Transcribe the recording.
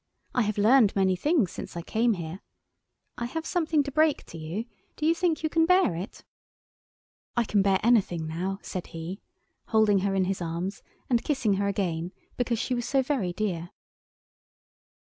I have learned many things since I came here. I have something to break to you. Do you think you can bear it?" "I can bear anything now," said he, holding her in his arms, and kissing her again, because she was so very dear.